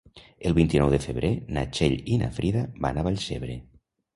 El vint-i-nou de febrer na Txell i na Frida van a Vallcebre.